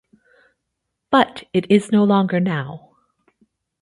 But it is no longer now.